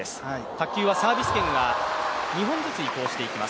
卓球はサービス権が２本ずつ移行していきます。